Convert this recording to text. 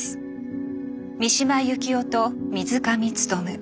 三島由紀夫と水上勉。